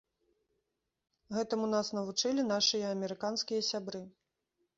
Гэтаму нас навучылі нашыя амерыканскія сябры.